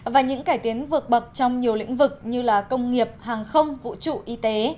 và những cải tiến vượt bậc trong nhiều lĩnh vực như công nghiệp hàng không vũ trụ y tế